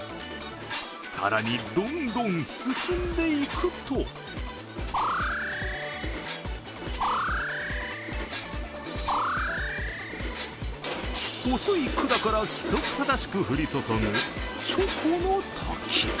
更に、どんどん進んでいくと細い管から規則正しく降り注ぐチョコの滝。